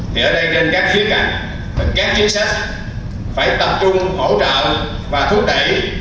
thì ở đây trên các khía cạnh các chính sách phải tập trung hỗ trợ và thúc đẩy